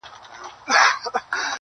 • يې ه ځكه مو په شعر كي ښكلاگاني دي.